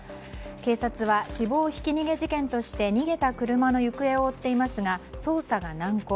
警察は死亡ひき逃げ事件として逃げた車の行方を追っていますが捜査が難航。